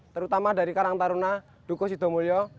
terutama dari karang taruna duko sido mulyo